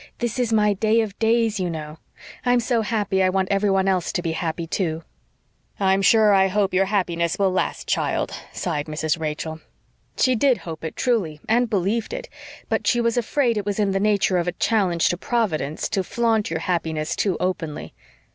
"This is my day of days, you know. I'm so happy I want every one else to be happy, too." "I'm sure I hope your happiness will last, child," sighed Mrs. Rachel. She did hope it truly, and believed it, but she was afraid it was in the nature of a challenge to Providence to flaunt your happiness too openly.